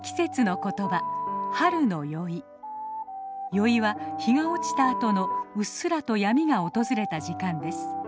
宵は日が落ちたあとのうっすらと闇が訪れた時間です。